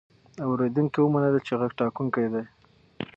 اورېدونکي ومنله چې غږ ټاکونکی دی.